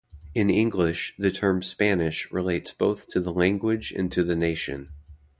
In English, the term "Spanish" relates both to the language and to the nation.